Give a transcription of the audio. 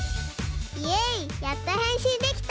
イエイやっとへんしんできた。